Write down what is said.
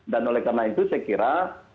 dan oleh karena itu saya kira